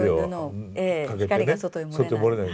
ええ光が外に漏れない。